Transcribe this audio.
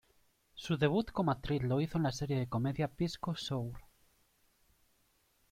Su debut como actriz lo hizo en la serie de comedia "Pisco sour".